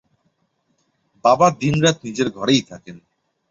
বাবা দিন-রাত নিজের ঘরেই থাকেন।